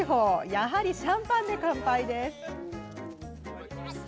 やはり、シャンパンで乾杯です。